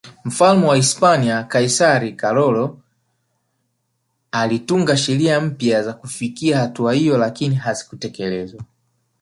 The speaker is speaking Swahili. Mfalme wa Hispania Kaisari Karolo alitunga sheria mpya za kufikia hatua hiyo lakini hazikutekelezwa